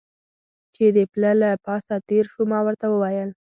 چې د پله له پاسه تېر شو، ما ورته وویل.